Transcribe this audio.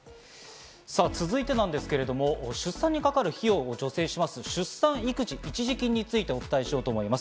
続いてですけど、出産にかかる費用を助成する出産育児一時金について、お伝えしようと思います。